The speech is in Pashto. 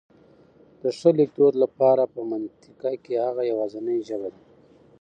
د ښه لیکدود لپاره په منطقه کي هغه يواځنۍ ژبه ده